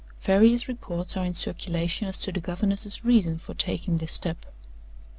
"Various reports are in circulation as to the governess's reason for taking this step.